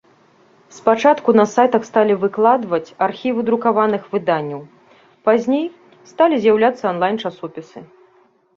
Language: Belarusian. Спачатку на сайтах сталі выкладваць архівы друкаваных выданняў, пазней сталі з'яўляцца анлайн-часопісы.